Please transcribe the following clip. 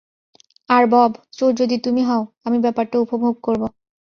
আর Bob, চোর যদি তুমি হও, আমি ব্যাপারটা উপভোগ করব।